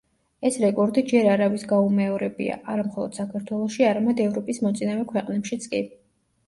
ეს რეკორდი ჯერ არავის გაუმეორებია, არა მხოლოდ საქართველოში, არამედ ევროპის მოწინავე ქვეყნებშიც კი.